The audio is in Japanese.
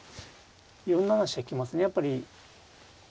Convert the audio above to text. ４七飛車引きますねやっぱり。